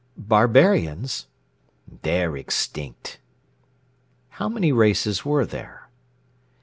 "Barbarians?" "They're extinct." "How many races were there?"